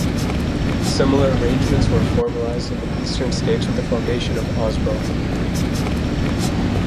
Similar arrangements were formalised in the eastern states with the formation of AusBone.